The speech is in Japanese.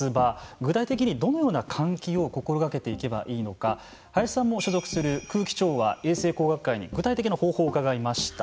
具体的にどのような換気を心がけていけばいいのか林さんも所属する空気調和・衛生工学会に具体的な方法を伺いました。